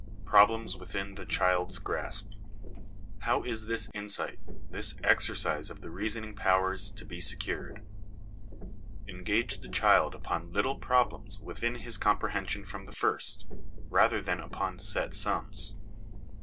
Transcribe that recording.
Problems within the Child's Grasp. How is this insight, this exercise of the reasoning powers, to be secured ? Engage the child upon little problems within his comprehension from the first, rather than upon set sums.